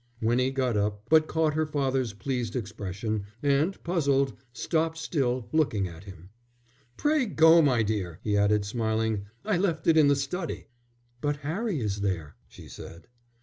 Winnie got up, but caught her father's pleased expression, and puzzled, stopped still, looking at him. "Pray go, my dear," he added, smiling. "I left it in the study." "But Harry is there," she said.